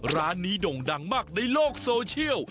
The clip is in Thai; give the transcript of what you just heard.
ร้านนี้ด่งดังมากในโลกโซเชียล